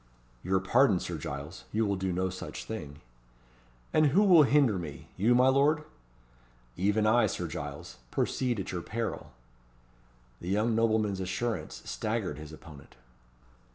"Your pardon, Sir Giles; you will do no such thing." "And who will hinder me? You, my lord?" "Even I, Sir Giles. Proceed at your peril." The young nobleman's assurance staggered his opponent.